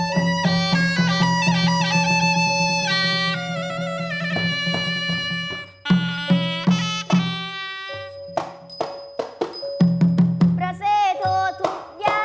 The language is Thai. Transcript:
ธรรมดา